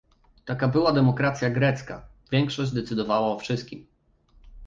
Taka była demokracja grecka, większość decydowała o wszystkim